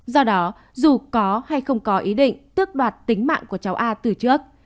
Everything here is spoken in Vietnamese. do đó dù có hay không có ý định tước đoạt tính mạng của cháu a từ trước